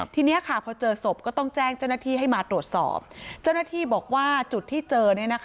ทีนี้ค่ะพอเจอศพก็ต้องแจ้งเจ้าหน้าที่ให้มาตรวจสอบเจ้าหน้าที่บอกว่าจุดที่เจอ